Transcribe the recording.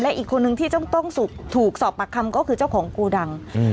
และอีกคนนึงที่ต้องต้องถูกถูกสอบปักคำก็คือเจ้าของกลัวดังอืม